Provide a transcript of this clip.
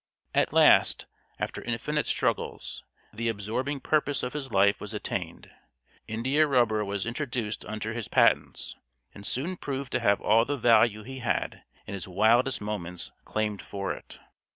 At last, after infinite struggles, the absorbing purpose of his life was attained. India rubber was introduced under his patents, and soon proved to have all the value he had, in his wildest moments, claimed for it.